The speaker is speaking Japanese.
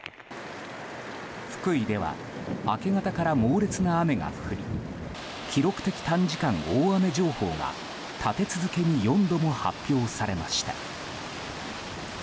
福井では明け方から猛烈な雨が降り記録的短時間大雨情報が立て続けに４度も発表されました。